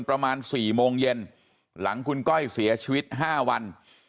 ประมาณ๔โมงเย็นหลังคุณก้อยเสียชีวิต๕วัน